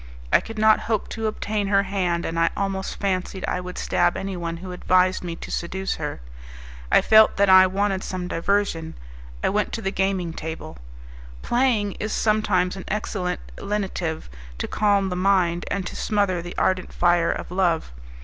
I could not hope to obtain her hand, and I almost fancied I would stab anyone who advised me to seduce her. I felt that I wanted some diversion: I went to the gaming table. Playing is sometimes an excellent lenitive to calm the mind, and to smother the ardent fire of love.